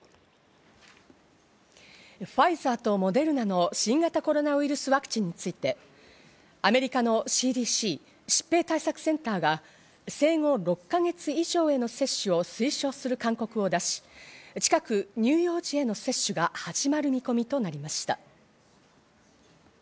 ファイザーとモデルナの新型コロナウイルスワクチンについてアメリカのＣＤＣ＝疾病対策センターが生後６ヶ月以上の接種を推奨する勧告を出し、近く乳幼児への接種が始まる見込みとなりました。